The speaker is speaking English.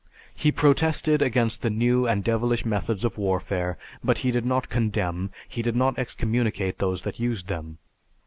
He protested against the new and devilish methods of warfare but he did not condemn, he did not excommunicate those that used them.